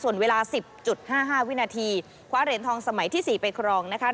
ส่วนเวลา๑๐๕๕วินาทีคว้าเหรียญทองสมัยที่๔ไปครองนะคะ